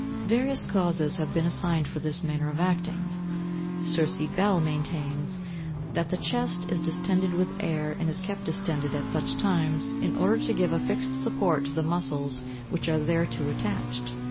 Various causes have been assigned for this manner of acting. Sir C. Bell maintains that the chest is distended with air, and is kept distended at such times, in order to give a fixed support to the muscles which are thereto attached.